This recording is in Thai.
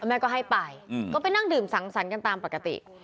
แม่ก็ให้ไปก็ไปนั่งดื่มสังสรรค์กันตามปกติ